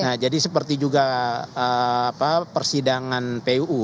nah jadi seperti juga persidangan puu